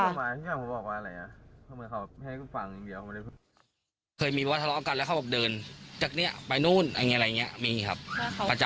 คือผมเป็นคนลงไปคนแรกนะครับในคลิป